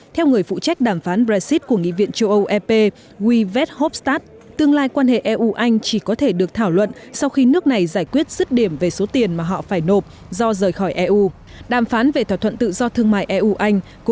theo người phụ trách đàm phán brexit của nghị viện châu âu ep wyvett hofstad tương lai quan hệ eu anh chỉ có thể được thảo luận sau khi nước này giải quyết rứt điểm về sự phát triển của đất nước